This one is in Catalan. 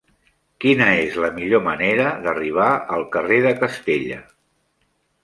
Quina és la millor manera d'arribar al carrer de Castella?